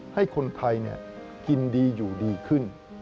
ให้คนไทยกินดีอยู่ดีขึ้น